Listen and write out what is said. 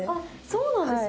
そうなんですね。